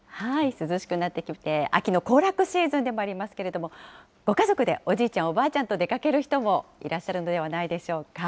涼しくなってきて、秋の行楽シーズンでもありますけれども、ご家族でおじいちゃん、おばあちゃんと出かける人もいらっしゃるのではないでしょうか。